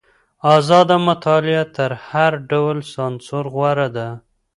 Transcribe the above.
ازاده مطالعه تر هر ډول سانسور غوره ده.